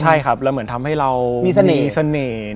ใช่ครับและเหมือนทำให้เรามีเสน่ห์